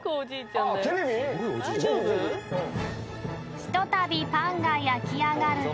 ［ひとたびパンが焼き上がると］